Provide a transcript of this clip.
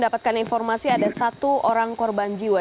dan informasi ada satu orang korban jiwa